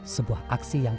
sebuah aksi yang